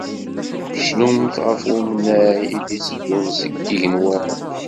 Cnumt ɣef umnay i d-itteddun seg yigenwan.